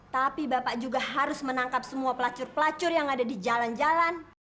tapi bapak juga harus menangkap semua pelacur pelacur yang ada di jalan jalan